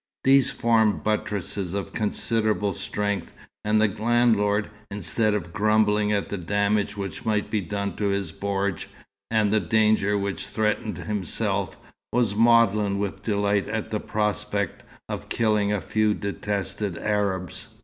These formed buttresses of considerable strength; and the landlord, instead of grumbling at the damage which might be done to his bordj, and the danger which threatened himself, was maudlin with delight at the prospect of killing a few detested Arabs.